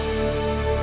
sebagai pemangku raja